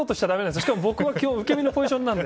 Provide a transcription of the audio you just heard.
しかも僕は受け身のポジションなので。